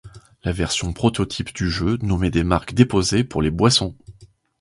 La version prototype du jeu nommait des marques déposées pour les boissons.